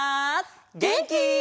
げんき？